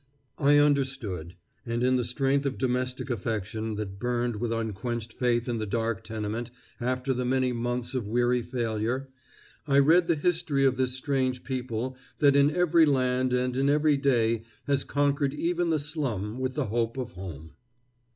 I understood; and in the strength of domestic affection that burned with unquenched faith in the dark tenement after the many months of weary failure I read the history of this strange people that in every land and in every day has conquered even the slum with the hope of home.